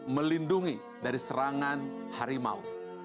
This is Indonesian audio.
melindungi dari serangan harimau